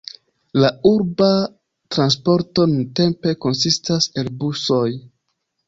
La urba transporto nuntempe konsistas el busoj.